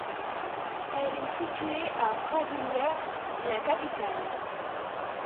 Elle est située à Brasilia, la capitale.